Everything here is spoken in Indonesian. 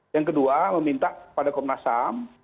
yang kedua meminta kepada komnas ham